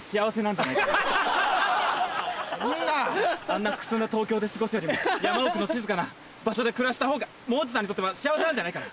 あんな苦痛な東京で過ごすよりも山奥の静かな場所で暮らしたほうが「もう中さん」にとっては幸せなんじゃないかな？